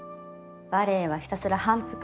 バレエはひたすら反復。